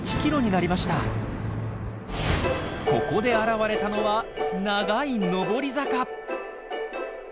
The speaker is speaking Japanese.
ここで現れたのは長い登り坂。